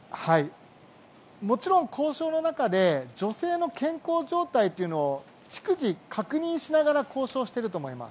もちろん交渉の中で女性の健康状態というのを逐次、確認しながら交渉していると思います。